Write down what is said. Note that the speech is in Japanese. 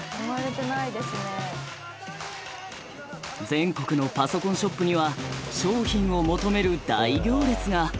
全国のパソコンショップには商品を求める大行列が！